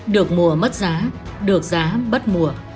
được mùa mất giá được giá bất mùa